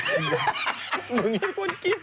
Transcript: มึงมีคนกิน